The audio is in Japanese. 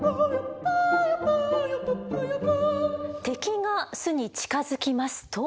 敵が巣に近づきますと。